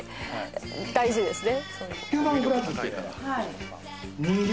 「大事ですね」